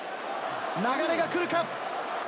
流れが来るか？